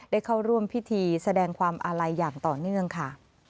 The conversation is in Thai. ได้เข้าร่วมพิธีแสดงความอาลัยอย่างต่อเนื่องค่ะ